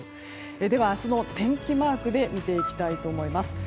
では、明日の天気マークで見ていきたいと思います。